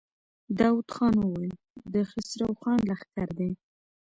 داوود خان وويل: د خسرو خان لښکر دی.